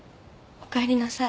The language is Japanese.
おかえりなさい！